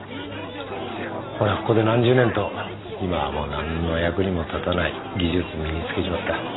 俺はここで何十年と今はもう何の役にも立たない技術身に付けちまった。